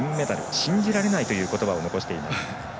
信じられないということばを残しています。